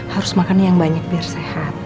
harus makan yang banyak biar sehat